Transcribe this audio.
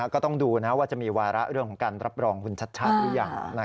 ก็ต้องดูว่าจะมีวาระเรื่องของการรับรองคุณชัดชาติหรือยัง